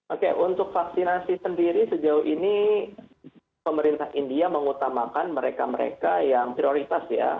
oke untuk vaksinasi sendiri sejauh ini pemerintah india mengutamakan mereka mereka yang prioritas ya